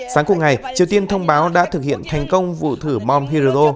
sáng cuối ngày triều tiên thông báo đã thực hiện thành công vụ thử bom hero